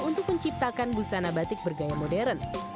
untuk menciptakan busana batik bergaya modern